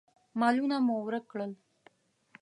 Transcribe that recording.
مالونه مو ورک کړل.